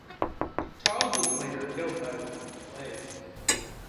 Charles was later killed by one of his slaves.